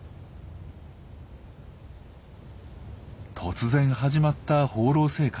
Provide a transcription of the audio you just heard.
突然始まった放浪生活。